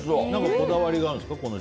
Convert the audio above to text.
こだわりがあるんですか